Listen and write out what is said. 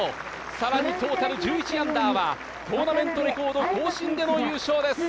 更にトータル１１アンダーはトーナメントレコード更新での優勝です！